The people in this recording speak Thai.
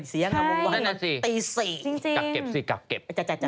สียังครับวงวันตีสี่จริงจริงจริงกักเก็บสิกักเก็บ